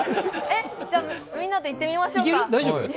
みんなでいってみましょうか。